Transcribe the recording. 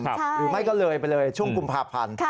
หรือไม่ก็เลยไปเลยช่วงกุมภาพันธ์